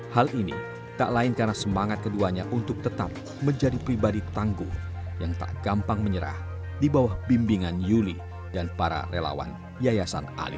hal ini tak lain karena semangat keduanya untuk tetap menjadi pribadi tangguh yang tak gampang menyerah di bawah bimbingan yuli dan para relawan yayasan alif